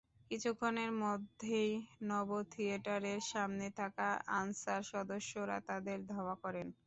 কিছুক্ষণের মধ্যেই নভো থিয়েটারের সামনে থাকা আনসার সদস্যরা তাদের ধাওয়া করেন।